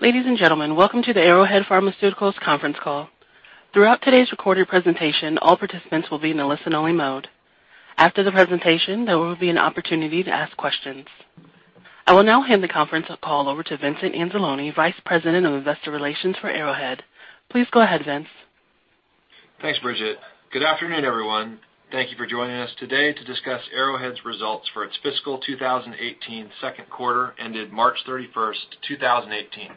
Ladies and gentlemen, welcome to the Arrowhead Pharmaceuticals conference call. Throughout today's recorded presentation, all participants will be in a listen-only mode. After the presentation, there will be an opportunity to ask questions. I will now hand the conference call over to Vincent Anzalone, Vice President of Investor Relations for Arrowhead. Please go ahead, Vince. Thanks, Brigitte. Good afternoon, everyone. Thank you for joining us today to discuss Arrowhead's results for its fiscal 2018 second quarter ended March 31st, 2018.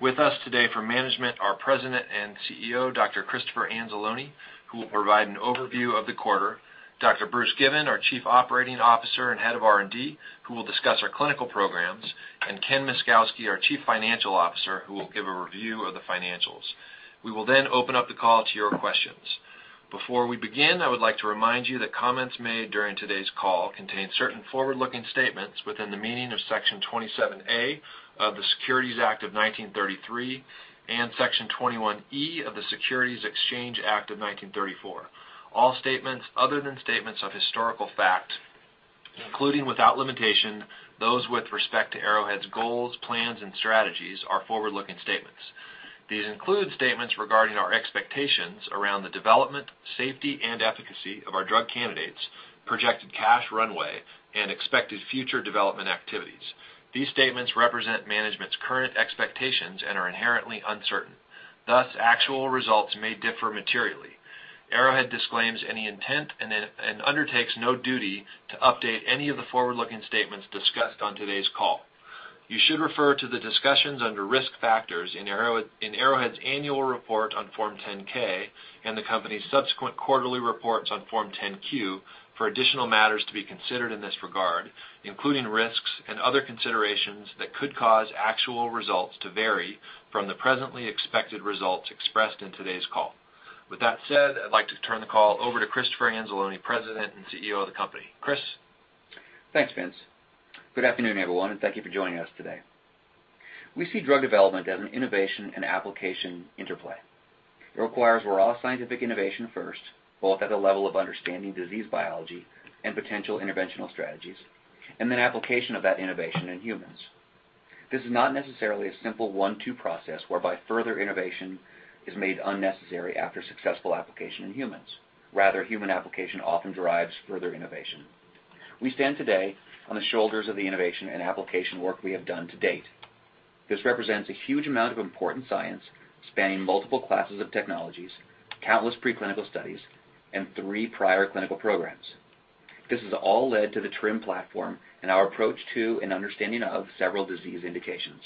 With us today for management, our President and CEO, Dr. Christopher Anzalone, who will provide an overview of the quarter, Dr. Bruce Given, our Chief Operating Officer and Head of R&D, who will discuss our clinical programs, Ken Myszkowski, our Chief Financial Officer, who will give a review of the financials. We will open up the call to your questions. Before we begin, I would like to remind you that comments made during today's call contain certain forward-looking statements within the meaning of Section 27A of the Securities Act of 1933 and Section 21E of the Securities Exchange Act of 1934. All statements other than statements of historical fact, including, without limitation, those with respect to Arrowhead's goals, plans, and strategies are forward-looking statements. These include statements regarding our expectations around the development, safety, and efficacy of our drug candidates, projected cash runway, and expected future development activities. These statements represent management's current expectations and are inherently uncertain, thus actual results may differ materially. Arrowhead disclaims any intent and undertakes no duty to update any of the forward-looking statements discussed on today's call. You should refer to the discussions under Risk Factors in Arrowhead's annual report on Form 10-K and the company's subsequent quarterly reports on Form 10-Q for additional matters to be considered in this regard, including risks and other considerations that could cause actual results to vary from the presently expected results expressed in today's call. With that said, I'd like to turn the call over to Christopher Anzalone, President and CEO of the company. Chris? Thanks, Vincent. Good afternoon, everyone, and thank you for joining us today. We see drug development as an innovation and application interplay. It requires raw scientific innovation first, both at the level of understanding disease biology and potential interventional strategies, then application of that innovation in humans. This is not necessarily a simple one-two process whereby further innovation is made unnecessary after successful application in humans. Rather, human application often drives further innovation. We stand today on the shoulders of the innovation and application work we have done to date. This represents a huge amount of important science, spanning multiple classes of technologies, countless preclinical studies, and three prior clinical programs. This has all led to the TRiM platform and our approach to and understanding of several disease indications.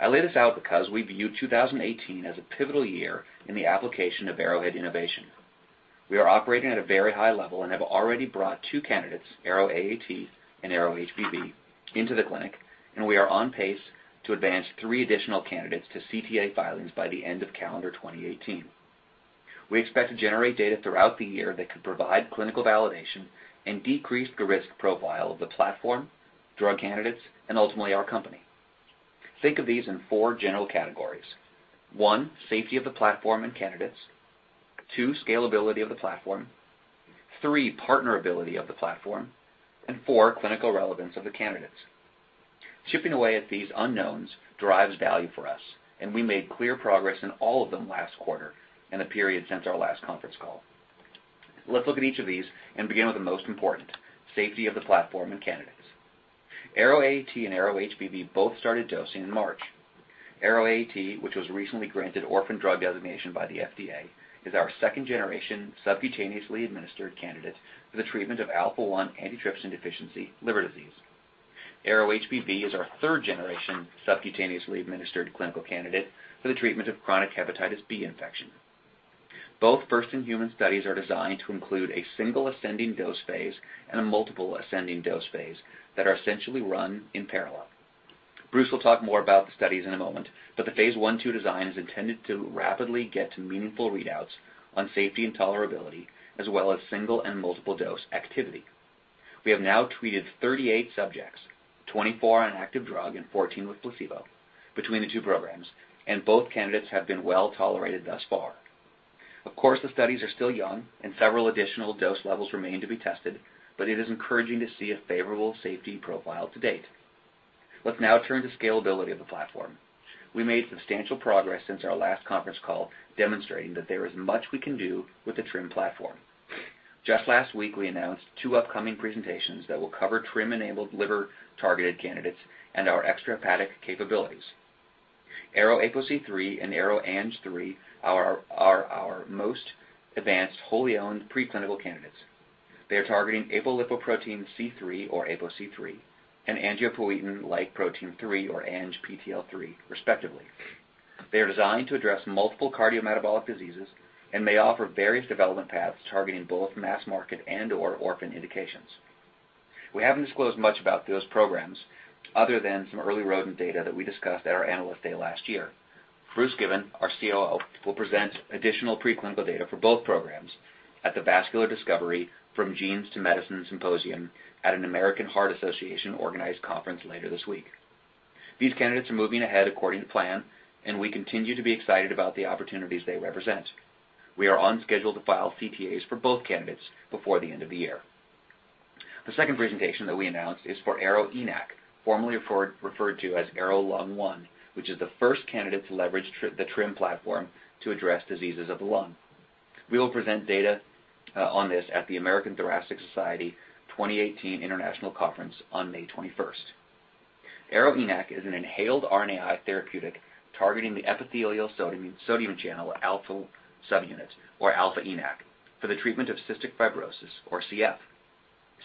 I lay this out because we view 2018 as a pivotal year in the application of Arrowhead innovation. We are operating at a very high level, have already brought two candidates, ARO-AAT and ARO-HBV, into the clinic, and we are on pace to advance three additional candidates to CTA filings by the end of calendar 2018. We expect to generate data throughout the year that could provide clinical validation and decrease the risk profile of the platform, drug candidates, ultimately, our company. Think of these in four general categories. 1, safety of the platform and candidates. 2, scalability of the platform. 3, partnerability of the platform. 4, clinical relevance of the candidates. Chipping away at these unknowns drives value for us, and we made clear progress in all of them last quarter, and the period since our last conference call. Let's look at each of these and begin with the most important, safety of the platform and candidates. ARO-AAT and ARO-HBV both started dosing in March. ARO-AAT, which was recently granted orphan drug designation by the FDA, is our second-generation subcutaneously administered candidate for the treatment of alpha-1 antitrypsin deficiency liver disease. ARO-HBV is our third-generation subcutaneously administered clinical candidate for the treatment of chronic hepatitis B infection. Both first-in-human studies are designed to include a single ascending dose phase and a multiple ascending dose phase that are essentially run in parallel. Bruce will talk more about the studies in a moment, but the phase I/II design is intended to rapidly get to meaningful readouts on safety and tolerability, as well as single and multiple dose activity. We have now treated 38 subjects, 24 on active drug and 14 with placebo between the two programs, and both candidates have been well tolerated thus far. Of course, the studies are still young, several additional dose levels remain to be tested, but it is encouraging to see a favorable safety profile to date. Let's now turn to scalability of the platform. We made substantial progress since our last conference call, demonstrating that there is much we can do with the TRiM platform. Just last week, we announced two upcoming presentations that will cover TRiM-enabled liver-targeted candidates and our extrahepatic capabilities. ARO-APOC3 and ARO-ANG3 are our most advanced wholly owned preclinical candidates. They are targeting apolipoprotein C3, or APOC-3, and angiopoietin-like protein 3, or ANGPTL3, respectively. They are designed to address multiple cardiometabolic diseases and may offer various development paths targeting both mass market and/or orphan indications. We haven't disclosed much about those programs other than some early rodent data that we discussed at our Analyst Day last year. Bruce Given, our COO, will present additional preclinical data for both programs at the Vascular Discovery: From Genes to Medicine Symposium at an American Heart Association-organized conference later this week. These candidates are moving ahead according to plan, and we continue to be excited about the opportunities they represent. We are on schedule to file CTAs for both candidates before the end of the year. The second presentation that we announced is for ARO-ENaC, formerly referred to as ARO-Lung1, which is the first candidate to leverage the TRiM platform to address diseases of the lung. We will present data on this at the American Thoracic Society 2018 International Conference on May 21st. ARO-ENaC is an inhaled RNAi therapeutic targeting the epithelial sodium channel alpha subunits, or alpha ENaC, for the treatment of cystic fibrosis or CF.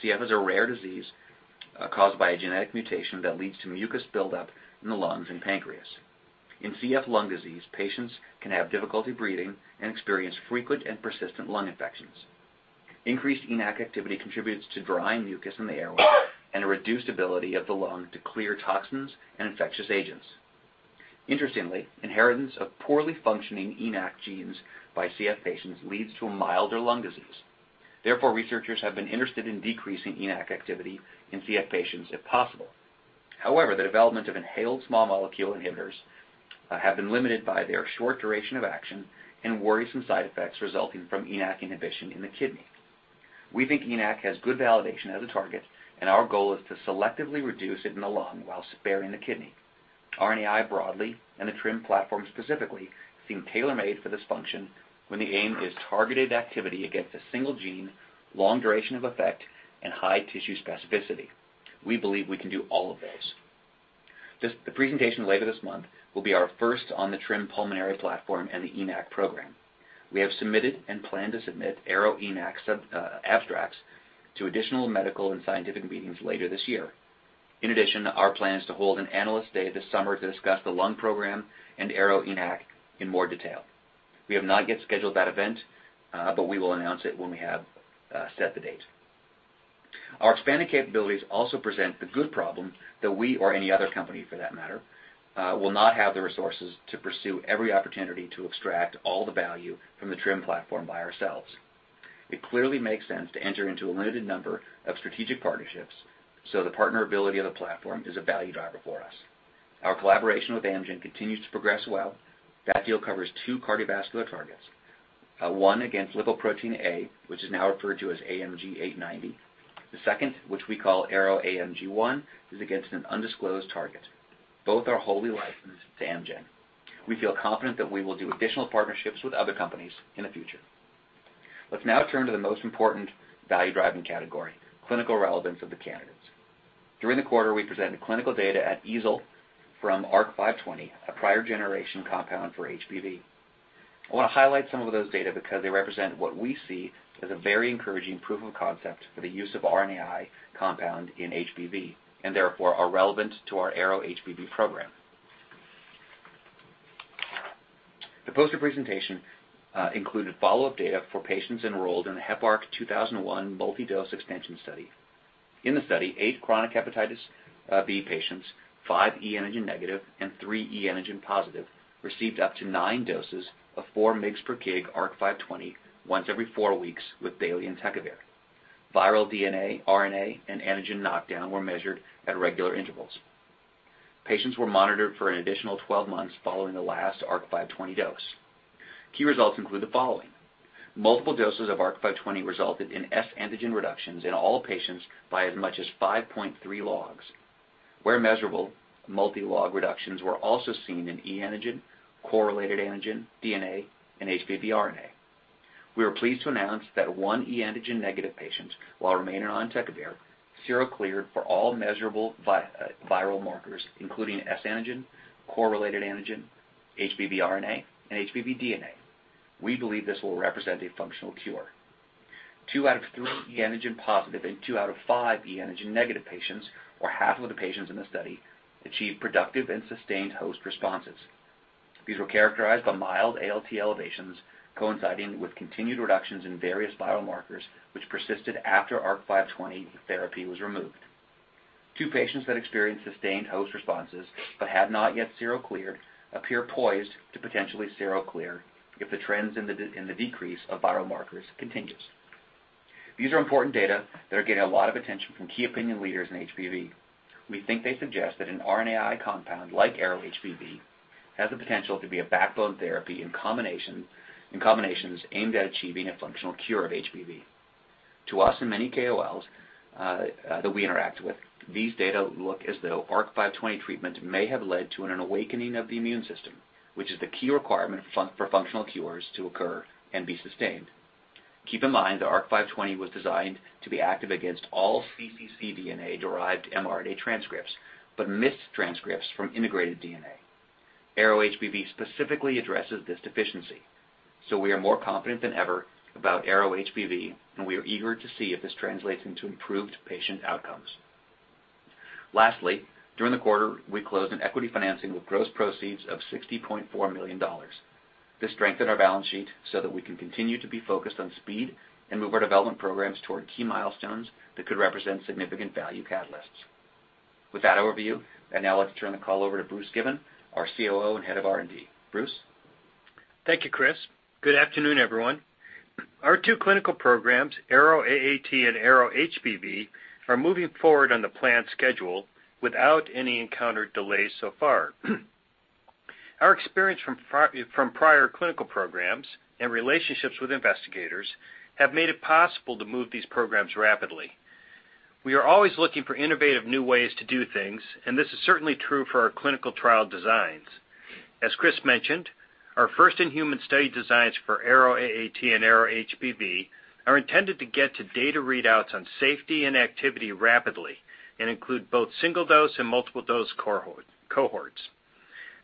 CF is a rare disease caused by a genetic mutation that leads to mucus buildup in the lungs and pancreas. In CF lung disease, patients can have difficulty breathing and experience frequent and persistent lung infections. Increased ENaC activity contributes to drying mucus in the airway and a reduced ability of the lung to clear toxins and infectious agents. Interestingly, inheritance of poorly functioning ENaC genes by CF patients leads to a milder lung disease. Therefore, researchers have been interested in decreasing ENaC activity in CF patients if possible. However, the development of inhaled small molecule inhibitors have been limited by their short duration of action and worrisome side effects resulting from ENaC inhibition in the kidney. We think ENaC has good validation as a target, and our goal is to selectively reduce it in the lung while sparing the kidney. RNAi broadly, and the TRiM platform specifically, seem tailor-made for this function when the aim is targeted activity against a single gene, long duration of effect, and high tissue specificity. We believe we can do all of those. The presentation later this month will be our first on the TRiM pulmonary platform and the ENaC program. We have submitted and plan to submit ARO-ENaC abstracts to additional medical and scientific meetings later this year. In addition, our plan is to hold an analyst day this summer to discuss the lung program and ARO-ENaC in more detail. We have not yet scheduled that event, but we will announce it when we have set the date. Our expanding capabilities also present the good problem that we, or any other company for that matter, will not have the resources to pursue every opportunity to extract all the value from the TRiM platform by ourselves. It clearly makes sense to enter into a limited number of strategic partnerships, so the partner ability of the platform is a value driver for us. Our collaboration with Amgen continues to progress well. That deal covers two cardiovascular targets, one against lipoprotein A, which is now referred to as AMG 890. The second, which we call ARO-AMG1, is against an undisclosed target. Both are wholly licensed to Amgen. We feel confident that we will do additional partnerships with other companies in the future. Let's now turn to the most important value-driving category, clinical relevance of the candidates. During the quarter, we presented clinical data at EASL from ARC-520, a prior-generation compound for HBV. I want to highlight some of those data because they represent what we see as a very encouraging proof of concept for the use of RNAi compound in HBV, and therefore are relevant to our ARO-HBV program. The poster presentation included follow-up data for patients enrolled in a Heparc-2001 multi-dose expansion study. In the study, eight chronic hepatitis B patients, five e antigen negative and three e antigen positive, received up to nine doses of four mgs per kg ARC-520 once every four weeks with daily entecavir. Viral DNA, RNA, and antigen knockdown were measured at regular intervals. Patients were monitored for an additional 12 months following the last ARC-520 dose. Key results include the following. Multiple doses of ARC-520 resulted in S antigen reductions in all patients by as much as 5.3 logs. Where measurable, multi-log reductions were also seen in e antigen, core-related antigen, DNA, and HBV RNA. We are pleased to announce that one e antigen negative patient, while remaining on entecavir, sero-cleared for all measurable viral markers, including S antigen, core-related antigen, HBV RNA, and HBV DNA. We believe this will represent a functional cure. Two out of three e antigen positive and two out of five e antigen negative patients, or half of the patients in the study, achieved productive and sustained host responses. These were characterized by mild ALT elevations coinciding with continued reductions in various biomarkers which persisted after ARC-520 therapy was removed. Two patients that experienced sustained host responses but have not yet sero-cleared appear poised to potentially sero-clear if the trends in the decrease of viral markers continues. These are important data that are getting a lot of attention from key opinion leaders in HBV. We think they suggest that an RNAi compound like ARO-HBV has the potential to be a backbone therapy in combinations aimed at achieving a functional cure of HBV. To us and many KOLs that we interact with, these data look as though ARC-520 treatment may have led to an awakening of the immune system, which is the key requirement for functional cures to occur and be sustained. Keep in mind that ARC-520 was designed to be active against all cccDNA-derived mRNA transcripts, but missed transcripts from integrated DNA. ARO-HBV specifically addresses this deficiency. We are more confident than ever about ARO-HBV, and we are eager to see if this translates into improved patient outcomes. Lastly, during the quarter, we closed an equity financing with gross proceeds of $60.4 million. This strengthened our balance sheet so that we can continue to be focused on speed and move our development programs toward key milestones that could represent significant value catalysts. With that overview, I'd now like to turn the call over to Bruce Given, our COO and Head of R&D. Bruce? Thank you, Chris. Good afternoon, everyone. Our two clinical programs, ARO-AAT and ARO-HBV, are moving forward on the planned schedule without any encountered delays so far. Our experience from prior clinical programs and relationships with investigators have made it possible to move these programs rapidly. We are always looking for innovative new ways to do things, and this is certainly true for our clinical trial designs. As Chris mentioned, our first-in-human study designs for ARO-AAT and ARO-HBV are intended to get to data readouts on safety and activity rapidly, and include both single-dose and multiple-dose cohorts.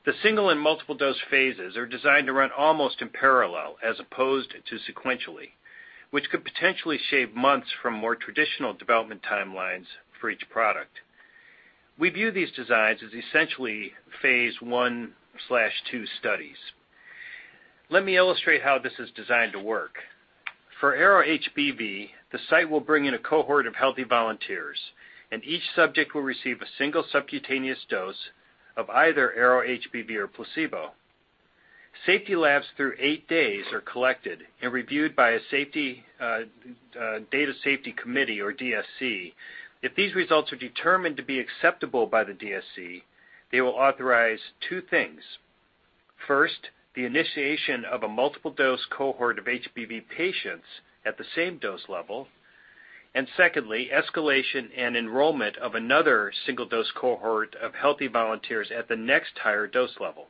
The single and multiple-dose phases are designed to run almost in parallel as opposed to sequentially, which could potentially shave months from more traditional development timelines for each product. We view these designs as essentially phase I/II studies. Let me illustrate how this is designed to work. For ARO-HBV, the site will bring in a cohort of healthy volunteers, and each subject will receive a single subcutaneous dose of either ARO-HBV or placebo. Safety labs through eight days are collected and reviewed by a data safety committee or DSC. If these results are determined to be acceptable by the DSC, they will authorize two things. First, the initiation of a multiple-dose cohort of HBV patients at the same dose level, and secondly, escalation and enrollment of another single-dose cohort of healthy volunteers at the next higher dose level.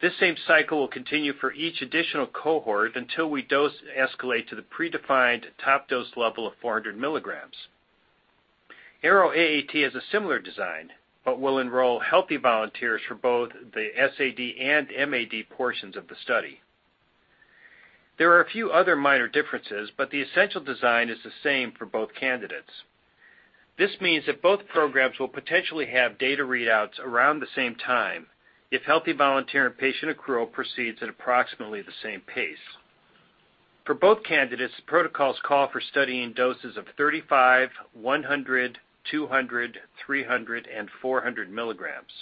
This same cycle will continue for each additional cohort until we dose escalate to the predefined top dose level of 400 milligrams. ARO-AAT is a similar design but will enroll healthy volunteers for both the SAD and MAD portions of the study. There are a few other minor differences, but the essential design is the same for both candidates. This means that both programs will potentially have data readouts around the same time if healthy volunteer and patient accrual proceeds at approximately the same pace. For both candidates, protocols call for studying doses of 35, 100, 200, 300, and 400 milligrams.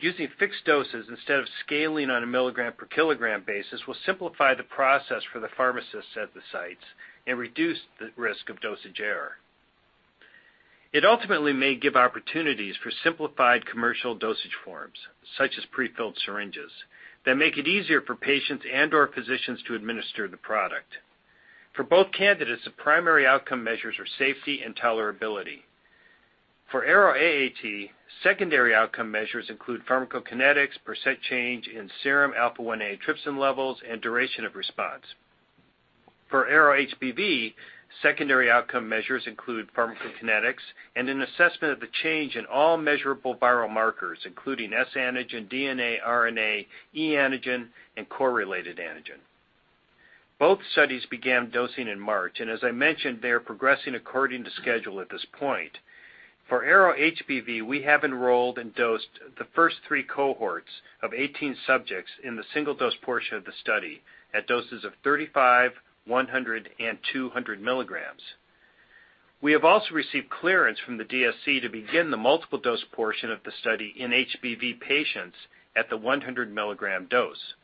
Using fixed doses instead of scaling on a milligram per kilogram basis will simplify the process for the pharmacists at the sites and reduce the risk of dosage error. It ultimately may give opportunities for simplified commercial dosage forms, such as prefilled syringes, that make it easier for patients and/or physicians to administer the product. For both candidates, the primary outcome measures are safety and tolerability. For ARO-AAT, secondary outcome measures include pharmacokinetics, % change in serum alpha-1 antitrypsin levels, and duration of response. For ARO-HBV, secondary outcome measures include pharmacokinetics and an assessment of the change in all measurable viral markers, including S antigen, DNA, RNA, E antigen, and core-related antigen. Both studies began dosing in March, and as I mentioned, they are progressing according to schedule at this point. For ARO-HBV, we have enrolled and dosed the first three cohorts of 18 subjects in the single-dose portion of the study at doses of 35, 100, and 200 milligrams. We have also received clearance from the DSC to begin the multiple-dose portion of the study in HBV patients at the 100-milligram dose.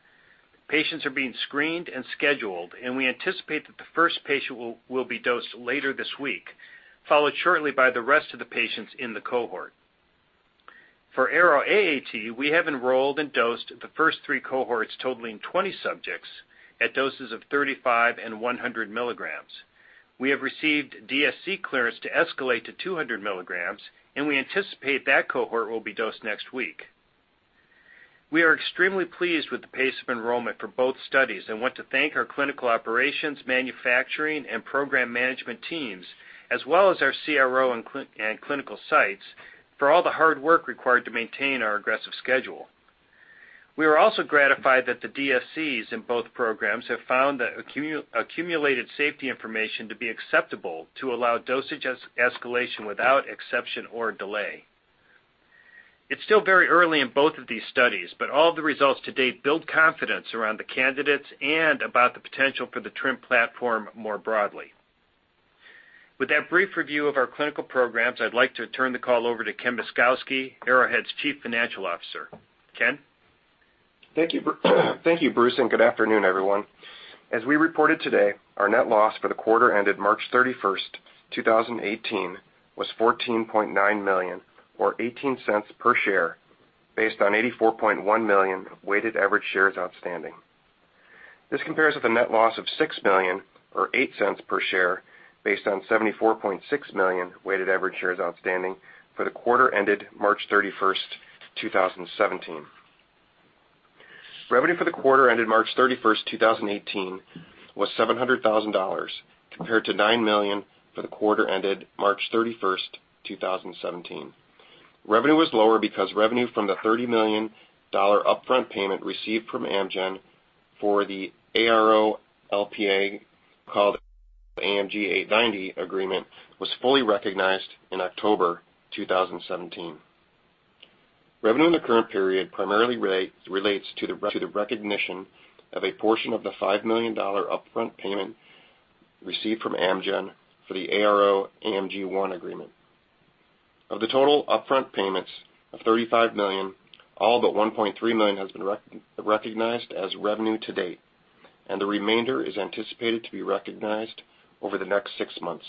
Patients are being screened and scheduled, and we anticipate that the first patient will be dosed later this week, followed shortly by the rest of the patients in the cohort. For ARO-AAT, we have enrolled and dosed the first three cohorts totaling 20 subjects at doses of 35 and 100 milligrams. We have received DSC clearance to escalate to 200 mg, and we anticipate that cohort will be dosed next week. We are extremely pleased with the pace of enrollment for both studies and want to thank our clinical operations, manufacturing, and program management teams, as well as our CRO and clinical sites for all the hard work required to maintain our aggressive schedule. We are also gratified that the DSCs in both programs have found the accumulated safety information to be acceptable to allow dosage escalation without exception or delay. It's still very early in both of these studies, but all the results to date build confidence around the candidates and about the potential for the TRiM platform more broadly. With that brief review of our clinical programs, I'd like to turn the call over to Ken Myszkowski, Arrowhead's Chief Financial Officer. Ken? Thank you, Bruce, and good afternoon, everyone. As we reported today, our net loss for the quarter ended March 31st, 2018, was $14.9 million, or $0.18 per share, based on 84.1 million weighted average shares outstanding. This compares with a net loss of $6 million or $0.08 per share based on 74.6 million weighted average shares outstanding for the quarter ended March 31st, 2017. Revenue for the quarter ended March 31st, 2018, was $700,000, compared to $9 million for the quarter ended March 31st, 2017. Revenue was lower because revenue from the $30 million upfront payment received from Amgen for the ARO-LPA, called AMG 890 agreement, was fully recognized in October 2017. Revenue in the current period primarily relates to the recognition of a portion of the $5 million upfront payment received from Amgen for the ARO-AMG1 agreement. Of the total upfront payments of $35 million, all but $1.3 million has been recognized as revenue to date, and the remainder is anticipated to be recognized over the next six months.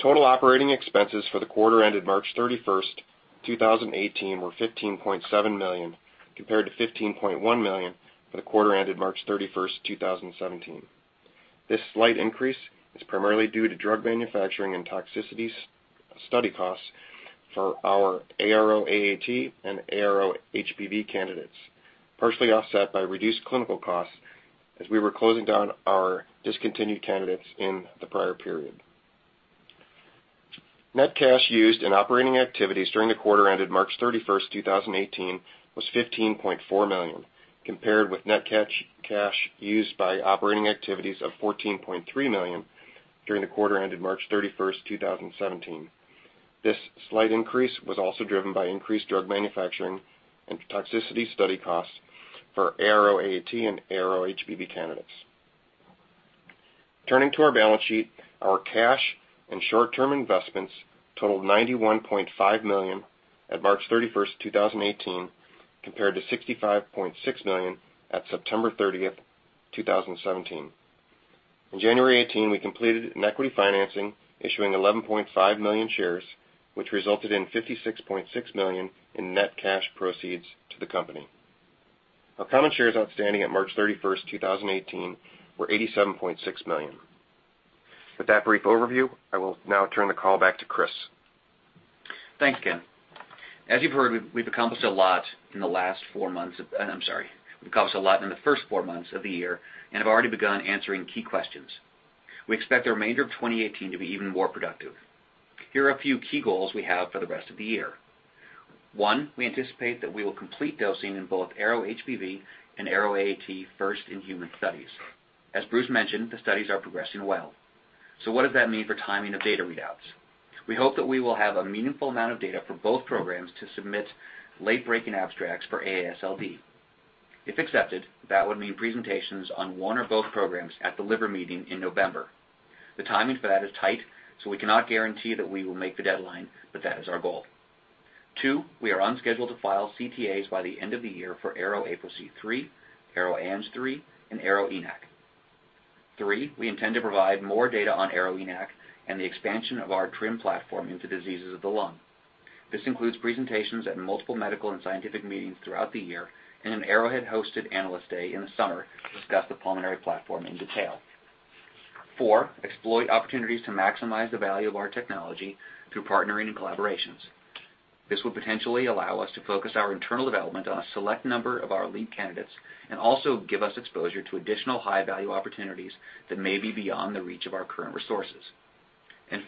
Total operating expenses for the quarter ended March 31st, 2018, were $15.7 million, compared to $15.1 million for the quarter ended March 31st, 2017. This slight increase is primarily due to drug manufacturing and toxicity study costs for our ARO-AAT and ARO-HBV candidates, partially offset by reduced clinical costs as we were closing down our discontinued candidates in the prior period. Net cash used in operating activities during the quarter ended March 31st, 2018, was $15.4 million, compared with net cash used by operating activities of $14.3 million during the quarter ended March 31st, 2017. This slight increase was also driven by increased drug manufacturing and toxicity study costs for ARO-AAT and ARO-HBV candidates. Turning to our balance sheet, our cash and short-term investments totaled $91.5 million at March 31st, 2018, compared to $65.6 million at September 30th, 2017. In January 2018, we completed an equity financing issuing 11.5 million shares, which resulted in $56.6 million in net cash proceeds to the company. Our common shares outstanding at March 31st, 2018, were 87.6 million. With that brief overview, I will now turn the call back to Chris. Thanks, Ken. As you've heard, we've accomplished a lot in the first four months of the year and have already begun answering key questions. We expect the remainder of 2018 to be even more productive. Here are a few key goals we have for the rest of the year. One, we anticipate that we will complete dosing in both ARO-HBV and ARO-AAT first in human studies. As Bruce mentioned, the studies are progressing well. What does that mean for timing of data readouts? We hope that we will have a meaningful amount of data for both programs to submit late-breaking abstracts for AASLD. If accepted, that would mean presentations on one or both programs at the liver meeting in November. The timing for that is tight, so we cannot guarantee that we will make the deadline, but that is our goal. Two, we are on schedule to file CTAs by the end of the year for ARO-APOC3, ARO-ANG3, and ARO-ENaC. Three, we intend to provide more data on ARO-ENaC and the expansion of our TRiM platform into diseases of the lung. This includes presentations at multiple medical and scientific meetings throughout the year and an Arrowhead-hosted Analyst Day in the summer to discuss the pulmonary platform in detail. Four, exploit opportunities to maximize the value of our technology through partnering and collaborations. This will potentially allow us to focus our internal development on a select number of our lead candidates and also give us exposure to additional high-value opportunities that may be beyond the reach of our current resources.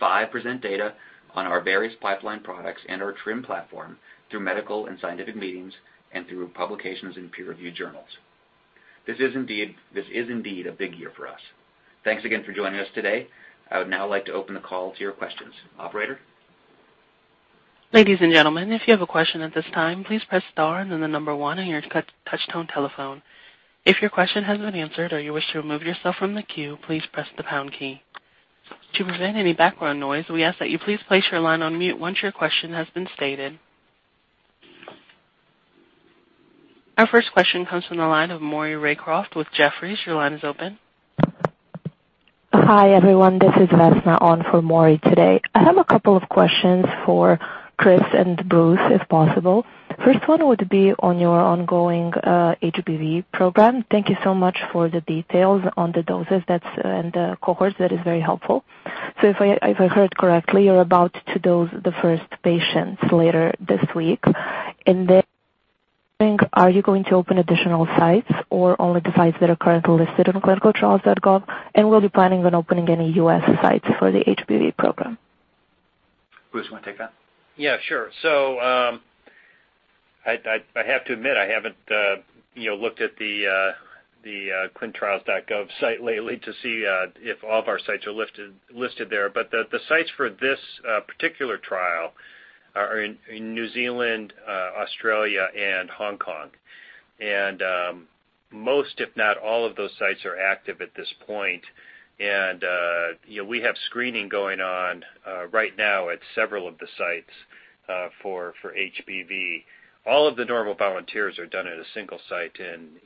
Five, present data on our various pipeline products and our TRiM platform through medical and scientific meetings and through publications in peer-reviewed journals. This is indeed a big year for us. Thanks again for joining us today. I would now like to open the call to your questions. Operator? Ladies and gentlemen, if you have a question at this time, please press star and then the number one on your touch-tone telephone. If your question has been answered or you wish to remove yourself from the queue, please press the pound key. To prevent any background noise, we ask that you please place your line on mute once your question has been stated. Our first question comes from the line of Maury Raycroft with Jefferies. Your line is open. Hi, everyone. This is Vesna on for Maury today. I have a couple of questions for Chris and Bruce, if possible. First one would be on your ongoing HBV program. Thank you so much for the details on the doses and the cohorts. That is very helpful. If I heard correctly, you're about to dose the first patients later this week. Are you going to open additional sites or only the sites that are currently listed on ClinicalTrials.gov? Will you be planning on opening any U.S. sites for the HBV program? Bruce, you want to take that? Sure. I have to admit, I haven't looked at the ClinicalTrials.gov site lately to see if all of our sites are listed there. The sites for this particular trial are in New Zealand, Australia, and Hong Kong. Most, if not all of those sites are active at this point. We have screening going on right now at several of the sites for HBV. All of the normal volunteers are done at a single site in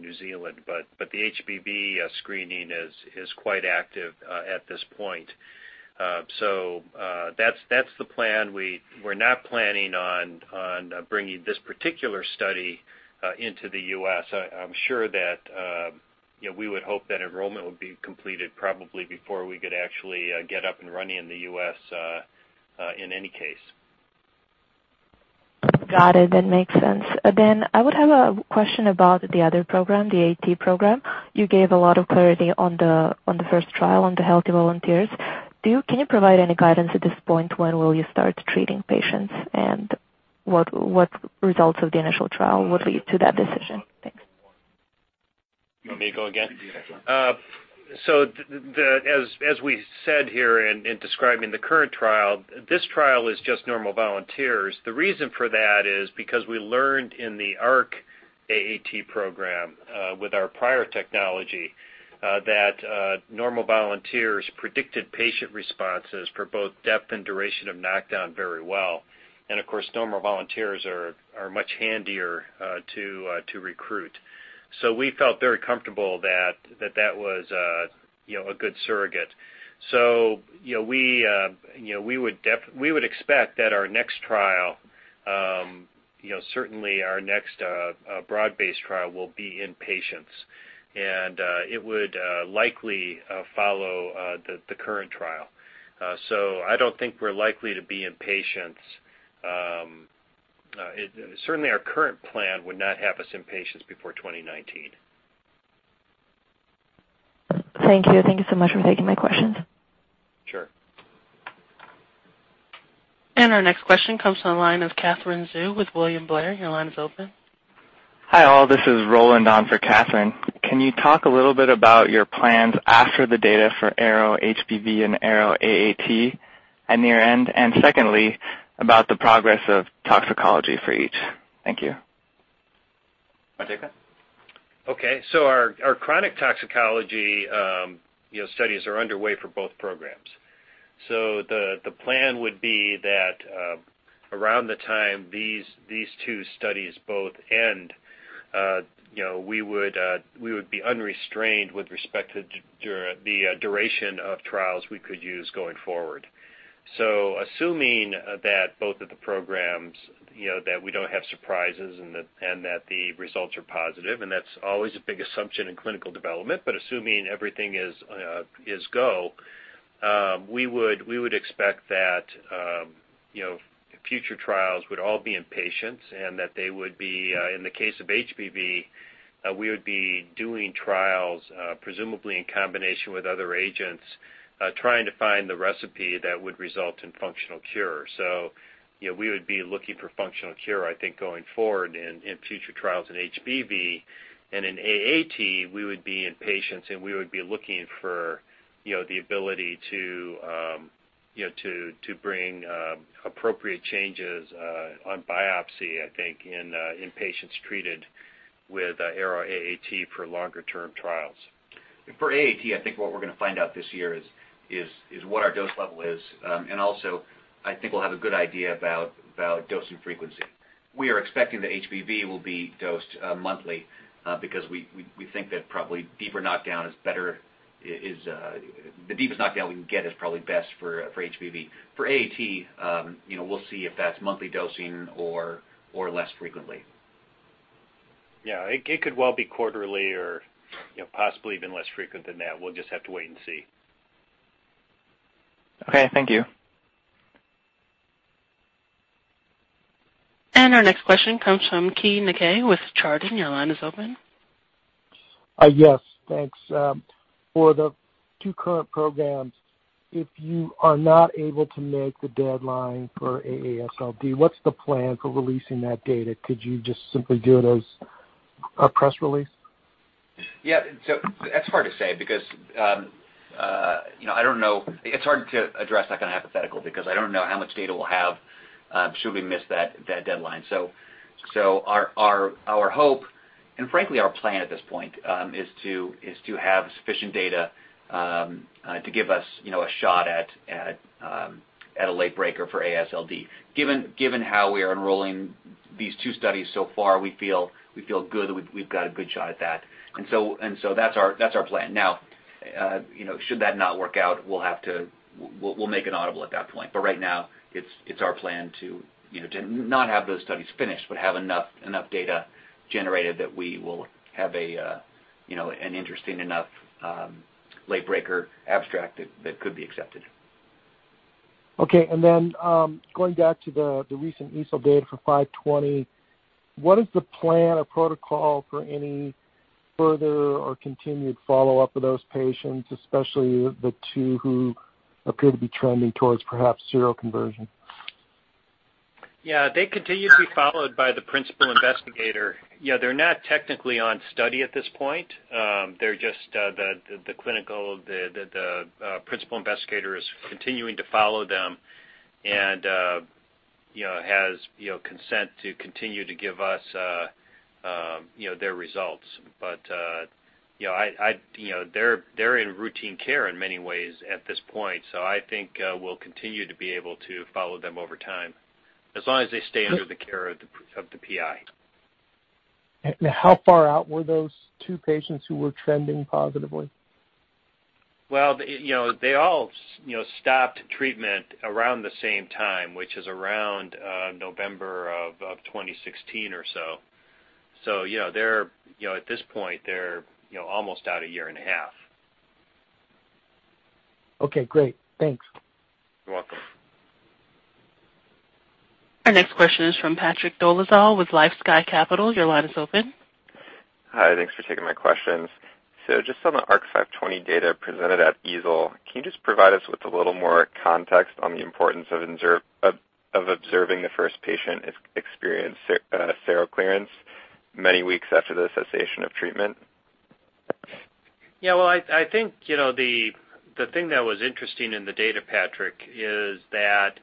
New Zealand, but the HBV screening is quite active at this point. That's the plan. We're not planning on bringing this particular study into the U.S. I'm sure that we would hope that enrollment would be completed probably before we could actually get up and running in the U.S. in any case. Got it. That makes sense. I would have a question about the other program, the AAT program. You gave a lot of clarity on the first trial on the healthy volunteers. Can you provide any guidance at this point? When will you start treating patients, and what results of the initial trial would lead to that decision? Thanks. You want me to go again? As we said here in describing the current trial, this trial is just normal volunteers. The reason for that is because we learned in the ARC ARC-AAT program with our prior technology that normal volunteers predicted patient responses for both depth and duration of knockdown very well. Of course, normal volunteers are much handier to recruit. We felt very comfortable that that was a good surrogate. We would expect that our next trial, certainly our next broad-based trial, will be in patients. It would likely follow the current trial. I don't think we're likely to be in patients. Certainly our current plan would not have us in patients before 2019. Thank you. Thank you so much for taking my questions. Sure. Our next question comes from the line of Katherine Zhu with William Blair. Your line is open. Hi, all. This is Roland on for Katherine. Can you talk a little bit about your plans after the data for ARO-HBV and ARO-AAT at near end? Secondly, about the progress of toxicology for each. Thank you. Want to take that? Okay. Our chronic toxicology studies are underway for both programs. The plan would be that around the time these two studies both end, we would be unrestrained with respect to the duration of trials we could use going forward. Assuming that both of the programs, that we don't have surprises and that the results are positive, and that's always a big assumption in clinical development, but assuming everything is go, we would expect that future trials would all be in patients and that they would be, in the case of HBV, we would be doing trials presumably in combination with other agents, trying to find the recipe that would result in functional cure. We would be looking for functional cure, I think, going forward in future trials in HBV. In AAT, we would be in patients, and we would be looking for the ability to bring appropriate changes on biopsy, I think, in patients treated with ARO-AAT for longer-term trials. For AAT, I think what we're going to find out this year is what our dose level is. Also, I think we'll have a good idea about dosing frequency. We are expecting that HBV will be dosed monthly because we think that probably deeper knockdown is better. The deepest knockdown we can get is probably best for HBV. For AAT, we'll see if that's monthly dosing or less frequently. Yeah. It could well be quarterly or possibly even less frequent than that. We'll just have to wait and see. Okay. Thank you. Our next question comes from Keay Nakae with Chardan. Your line is open. Yes. Thanks. For the two current programs, if you are not able to make the deadline for AASLD, what's the plan for releasing that data? Could you just simply do it as a press release? That's hard to say because, I don't know. It's hard to address that kind of hypothetical because I don't know how much data we'll have should we miss that deadline. Our hope, and frankly, our plan at this point, is to have sufficient data to give us a shot at a late breaker for AASLD. Given how we are enrolling these two studies so far, we feel good, we've got a good shot at that. That's our plan. Should that not work out, we'll make it audible at that point. Right now, it's our plan to not have those studies finished, but have enough data generated that we will have an interesting enough late breaker abstract that could be accepted. Going back to the recent EASL data for 520, what is the plan or protocol for any further or continued follow-up of those patients, especially the two who appear to be trending towards perhaps seroconversion? They continue to be followed by the principal investigator. They're not technically on study at this point. The principal investigator is continuing to follow them and has consent to continue to give us their results. They're in routine care in many ways at this point, so I think we'll continue to be able to follow them over time, as long as they stay under the care of the PI. How far out were those two patients who were trending positively? Well, they all stopped treatment around the same time, which is around November of 2016 or so. At this point, they're almost at a year and a half. Okay, great. Thanks. You're welcome. Our next question is from Patrick Dolezal with LifeSci Capital. Your line is open. Hi, thanks for taking my questions. Just on the ARC-520 data presented at EASL, can you just provide us with a little more context on the importance of observing the first patient experience seroclearance many weeks after the cessation of treatment? I think the thing that was interesting in the data, Patrick, is that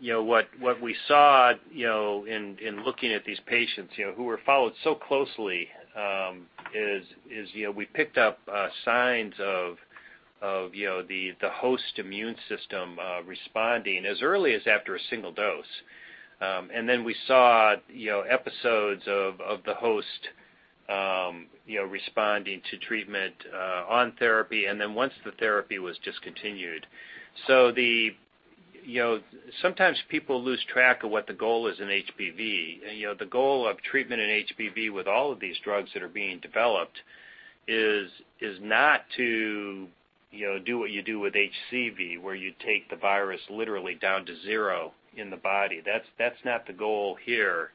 what we saw in looking at these patients who were followed so closely is we picked up signs of the host immune system responding as early as after a single dose. Then we saw episodes of the host responding to treatment on therapy and then once the therapy was discontinued. Sometimes people lose track of what the goal is in HBV. The goal of treatment in HBV with all of these drugs that are being developed is not to do what you do with HCV, where you take the virus literally down to zero in the body. That's not the goal here.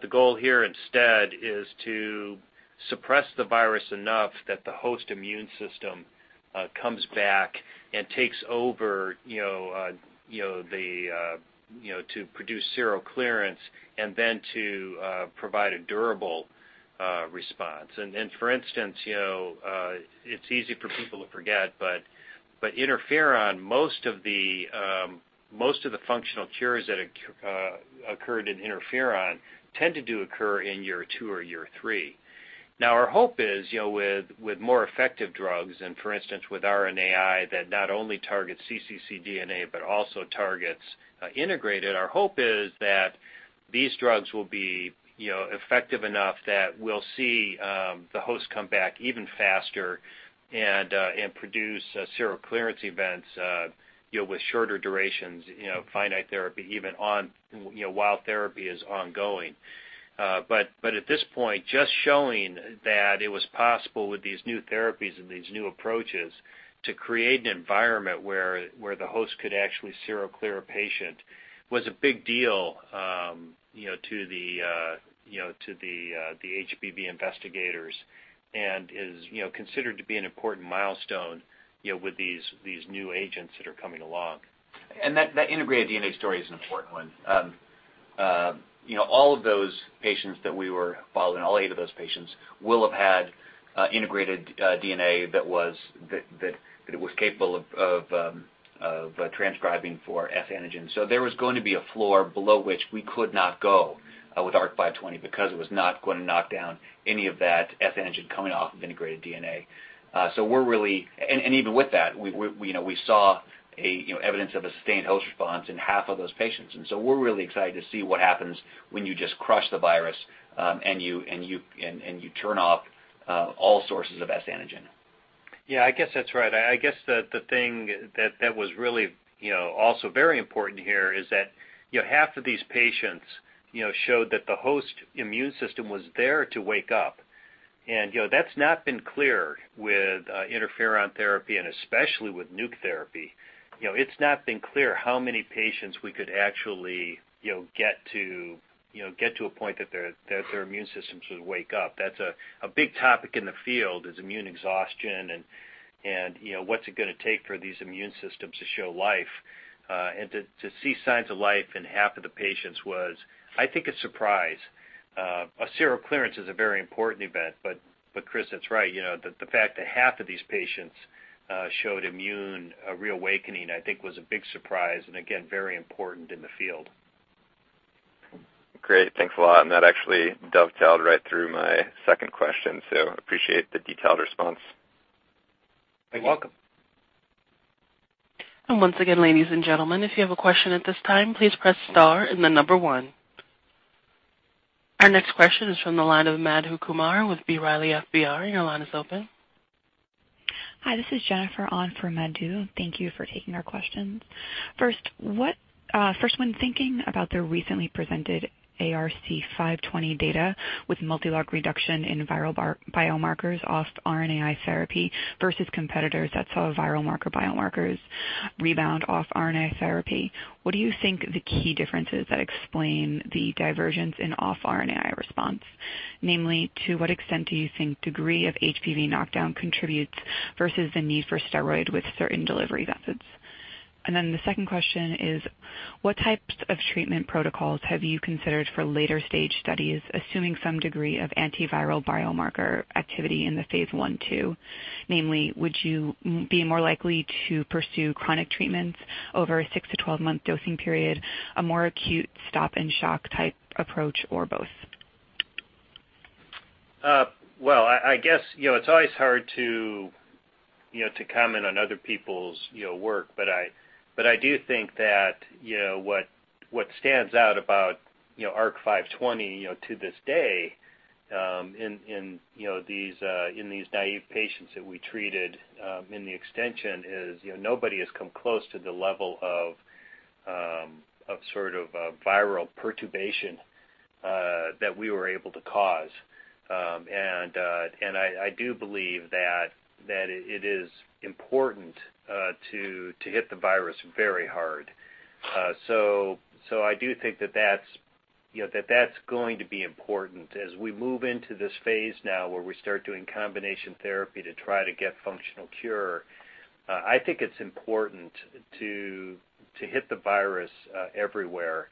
The goal here instead is to suppress the virus enough that the host immune system comes back and takes over to produce seroclearance and then to provide a durable response. For instance, it's easy for people to forget, interferon, most of the functional cures that occurred in interferon tend to occur in year two or year three. Our hope is with more effective drugs and, for instance, with RNAi that not only targets cccDNA but also targets integrated, our hope is that these drugs will be effective enough that we'll see the host come back even faster and produce seroclearance events with shorter durations, finite therapy, even while therapy is ongoing. At this point, just showing that it was possible with these new therapies and these new approaches to create an environment where the host could actually seroclear a patient was a big deal to the HBV investigators and is considered to be an important milestone with these new agents that are coming along. That integrated DNA story is an important one. All of those patients that we were following, all eight of those patients will have had integrated DNA that it was capable of transcribing for S antigens. There was going to be a floor below which we could not go with ARC-520 because it was not going to knock down any of that H antigen coming off of integrated DNA. Even with that, we saw evidence of a sustained host response in half of those patients, we're really excited to see what happens when you just crush the virus and you turn off all sources of S antigen. I guess that's right. I guess the thing that was really also very important here is that half of these patients showed that the host immune system was there to wake up. That's not been clear with interferon therapy and especially with nuke therapy. It's not been clear how many patients we could actually get to a point that their immune systems would wake up. That's a big topic in the field is immune exhaustion and what's it going to take for these immune systems to show life. To see signs of life in half of the patients was, I think, a surprise. A seroclearance is a very important event. Chris, that's right. The fact that half of these patients showed immune reawakening, I think was a big surprise and again, very important in the field. Great. Thanks a lot. That actually dovetailed right through my second question, appreciate the detailed response. You're welcome. Once again, ladies and gentlemen, if you have a question at this time, please press star and 1. Our next question is from the line of Madhu Kumar with B. Riley FBR. Your line is open. Hi, this is Jennifer on for Madhu. Thank you for taking our questions. First, when thinking about the recently presented ARC-520 data with multi-log reduction in viral biomarkers off RNAi therapy versus competitors that saw viral marker biomarkers rebound off RNAi therapy, what do you think the key difference is that explain the diversions in off RNAi response? Namely, to what extent do you think degree of HBV knockdown contributes versus the need for steroid with certain delivery methods? The second question is what types of treatment protocols have you considered for later stage studies, assuming some degree of antiviral biomarker activity in the phase I/II? Namely, would you be more likely to pursue chronic treatments over a 6 to 12-month dosing period, a more acute stop-and-shock type approach, or both? Well, I guess it's always hard to comment on other people's work, but I do think that what stands out about ARC-520 to this day in these naive patients that we treated in the extension is nobody has come close to the level of sort of viral perturbation that we were able to cause. I do believe that it is important to hit the virus very hard. I do think that that's going to be important as we move into this phase now where we start doing combination therapy to try to get functional cure I think it's important to hit the virus everywhere,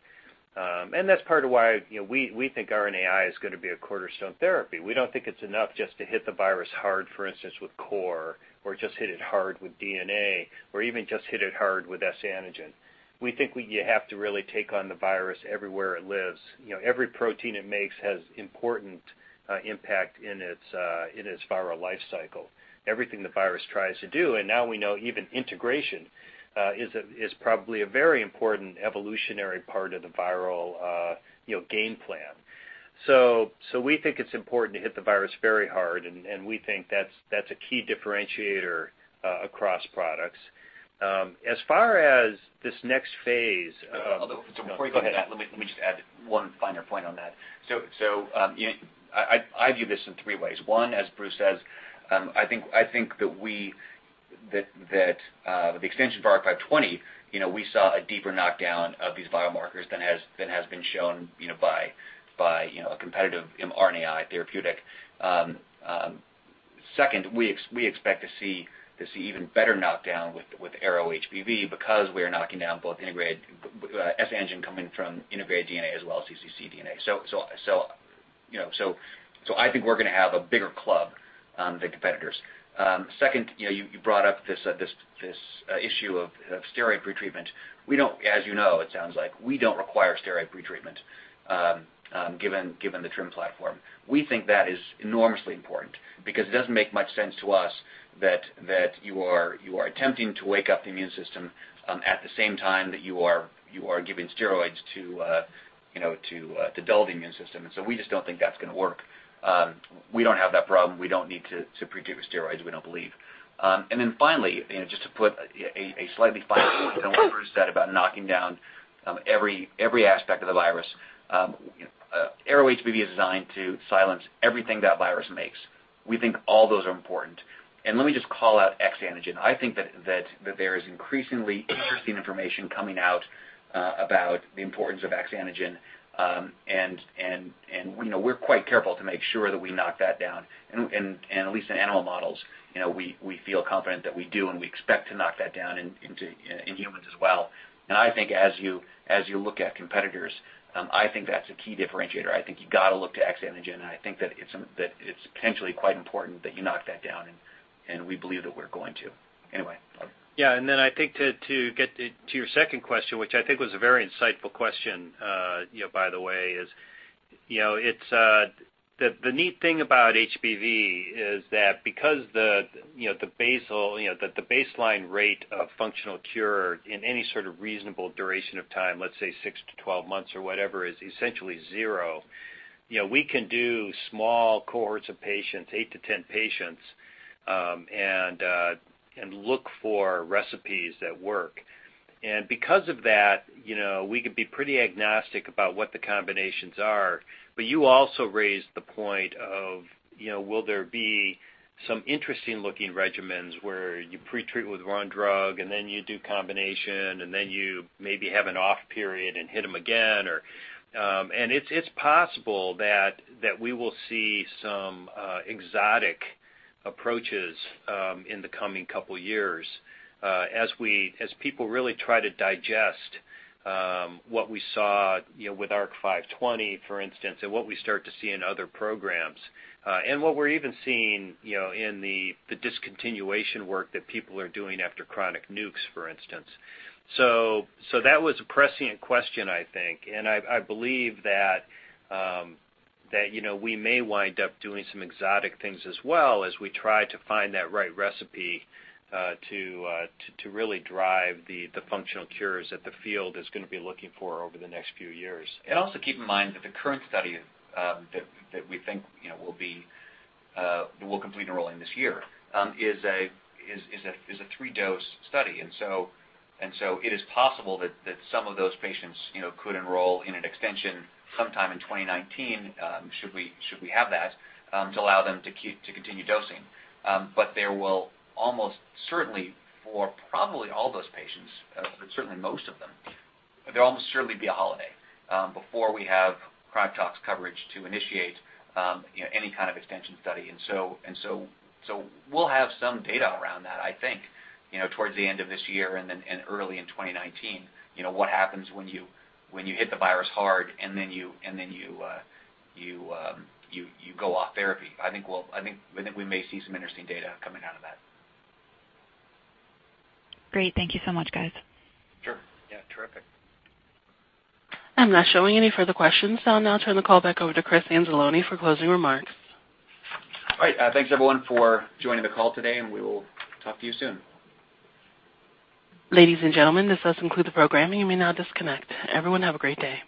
and that's part of why we think RNAi is going to be a cornerstone therapy. We don't think it's enough just to hit the virus hard, for instance, with core or just hit it hard with DNA or even just hit it hard with S antigen. We think you have to really take on the virus everywhere it lives. Every protein it makes has important impact in its viral life cycle. Everything the virus tries to do, and now we know even integration is probably a very important evolutionary part of the viral game plan. We think it's important to hit the virus very hard, and we think that's a key differentiator across products. Before you go ahead, let me just add one finer point on that. I view this in three ways. One, as Bruce says, I think that with the extension for ARC-520, we saw a deeper knockdown of these biomarkers than has been shown by a competitive mRNA therapeutic. Second, we expect to see even better knockdown with ARO-HBV because we are knocking down both S antigen coming from integrated DNA as well as cccDNA. I think we're going to have a bigger club than competitors. Second, you brought up this issue of steroid pretreatment. As you know, it sounds like we don't require steroid pretreatment given the TRiM platform. We think that is enormously important because it doesn't make much sense to us that you are attempting to wake up the immune system at the same time that you are giving steroids to dull the immune system. We just don't think that's going to work. We don't have that problem, we don't need to pre-treat with steroids, we don't believe. Finally, just to put a slightly finer point on what Bruce said about knocking down every aspect of the virus, ARO-HBV is designed to silence everything that virus makes. We think all those are important. Let me just call out X antigen. I think that there is increasingly interesting information coming out about the importance of X antigen, and we're quite careful to make sure that we knock that down, at least in animal models. We feel confident that we do, and we expect to knock that down in humans as well. I think as you look at competitors, I think that's a key differentiator. I think you got to look to X antigen, and I think that it's potentially quite important that you knock that down, and we believe that we're going to. Anyway. Yeah, I think to get to your second question, which I think was a very insightful question by the way, is the neat thing about HBV is that because the baseline rate of functional cure in any sort of reasonable duration of time, let's say six to 12 months or whatever, is essentially zero. We can do small cohorts of patients, eight to 10 patients, and look for recipes that work. You also raised the point of will there be some interesting looking regimens where you pretreat with one drug and then you do combination, and then you maybe have an off period and hit them again. It's possible that we will see some exotic approaches in the coming couple years as people really try to digest what we saw with ARC-520, for instance, and what we start to see in other programs. What we're even seeing in the discontinuation work that people are doing after chronic nucs, for instance. That was a prescient question, I think, and I believe that we may wind up doing some exotic things as well as we try to find that right recipe to really drive the functional cures that the field is going to be looking for over the next few years. Also keep in mind that the current study that we think we'll complete enrolling this year is a 3-dose study, and so it is possible that some of those patients could enroll in an extension sometime in 2019, should we have that, to allow them to continue dosing. There will almost certainly for probably all those patients, but certainly most of them, there'll almost certainly be a holiday before we have PrimeTox coverage to initiate any kind of extension study. We'll have some data around that, I think, towards the end of this year and early in 2019. What happens when you hit the virus hard and then you go off therapy. I think we may see some interesting data coming out of that. Great. Thank you so much, guys. Sure. Yeah. Terrific. I'm not showing any further questions. I'll now turn the call back over to Chris Anzalone for closing remarks. All right. Thanks everyone for joining the call today. We will talk to you soon. Ladies and gentlemen, this does conclude the programming. You may now disconnect. Everyone have a great day.